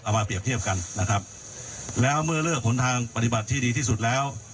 มาเปรียบเทียบกันนะครับแล้วเมื่อเลือกผลทางปฏิบัติที่ดีที่สุดแล้ว